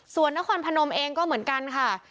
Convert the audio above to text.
ส่วนนครพนมเองก็เหมือนกันค่ะ